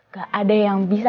gak ada yang bisa